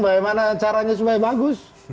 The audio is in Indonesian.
bagaimana caranya supaya bagus